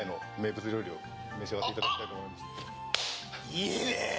いいねえ！